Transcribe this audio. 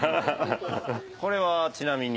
これはちなみに？